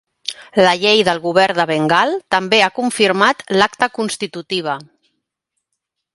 La Llei del govern de Bengal també ha confirmat l'acta constitutiva.